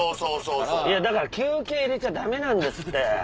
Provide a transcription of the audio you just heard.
だから休憩入れちゃダメなんですって！